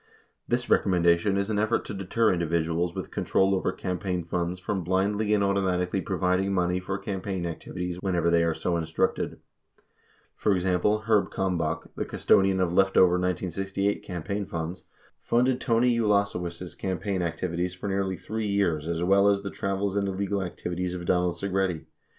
This recommendation is an effort to deter individuals with control over campaign funds from blindly and automatically providing money for campaign activities whenever they are so instructed. For example, Herb Kalmbach, the custodian of leftover 1968 campaign funds, funded Tony Ulasewicz's activities for nearly 3 years as well as the travels and illegal activities of Donald Segretti.